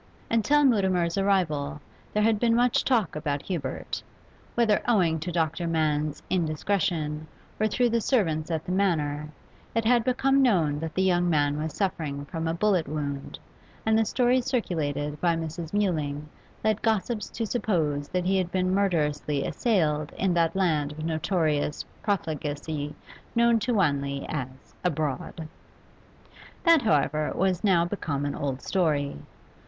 Until Mutimer's arrival there had been much talk about Hubert; whether owing to Dr. Mann's indiscretion or through the servants at the Manor, it had become known that the young man was suffering from a bullet wound, and the story circulated by Mrs. Mewling led gossips to suppose that he had been murderously assailed in that land of notorious profligacy known to Wanley as 'abroad.' That, however, was now become an old story.